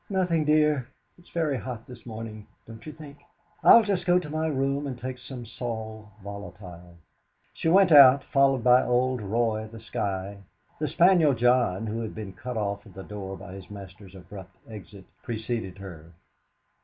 "Nothing, dear. It's very hot this morning, don't you think? I'll Just go to my room and take some sal volatile." She went out, followed by old Roy, the Skye; the spaniel John, who had been cut off at the door by his master's abrupt exit, preceded her.